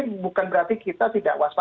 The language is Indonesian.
jadi tapi bukan berarti kita tidak waspada